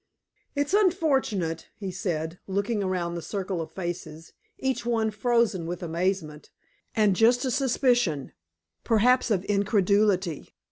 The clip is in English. "It's unfortunate," he said, looking around the circle of faces, each one frozen with amazement, and just a suspicion, perhaps of incredulity.